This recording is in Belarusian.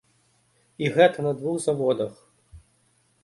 І гэта на двух заводах!